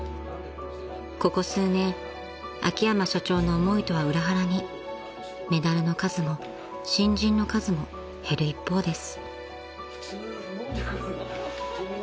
［ここ数年秋山社長の思いとは裏腹にメダルの数も新人の数も減る一方です］